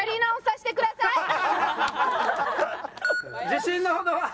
自信のほどは？